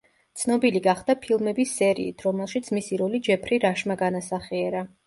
ცნობილი გახდა ფილმების სერიით, რომელშიც მისი როლი ჯეფრი რაშმა განასახიერა.